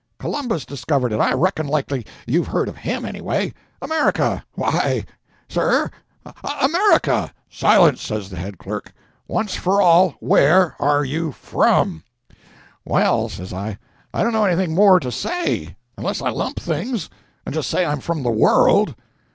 Columbus discovered it; I reckon likely you've heard of him, anyway. America—why, sir, America—" "Silence!" says the head clerk. "Once for all, where—are—you—from?" "Well," says I, "I don't know anything more to say—unless I lump things, and just say I'm from the world."